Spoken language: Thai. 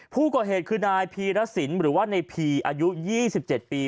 ผู้ก่อเหตุคือนายพีรสินหรือว่าในพีอายุ๒๗ปี